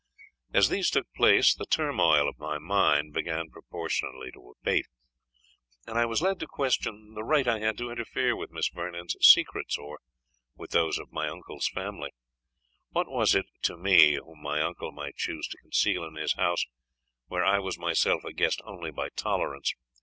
As these took place, the turmoil of my mind began proportionally to abate, and I was led to question the right I had to interfere with Miss Vernon's secrets, or with those of my uncle's family. What was it to me whom my uncle might choose to conceal in his house, where I was myself a guest only by tolerance?